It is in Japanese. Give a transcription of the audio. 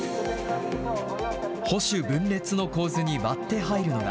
保守分裂の構図に割って入るのが。